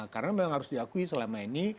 karena memang harus diakui selama ini